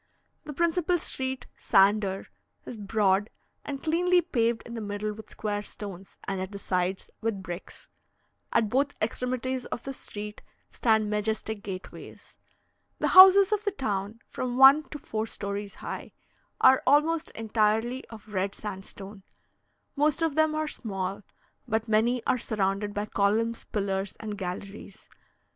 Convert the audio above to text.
The principal street, "Sander," is broad and cleanly paved in the middle with square stones, and at the sides with bricks. At both extremities of this street stand majestic gateways. The houses of the town (from one to four stories high) are almost entirely of red sandstone; most of them are small, but many are surrounded by columns, pillars, and galleries.